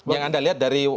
yang anda lihat dari